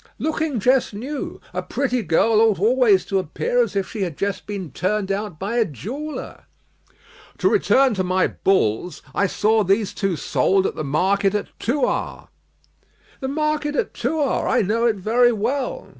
"Looking just new. A pretty girl ought always to appear as if she had just been turned out by a jeweller." "To return to my bulls; I saw these two sold at the market at Thouars." "The market at Thouars; I know it very well.